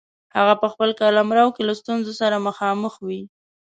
هغه په خپل قلمرو کې له ستونزو سره مخامخ وي.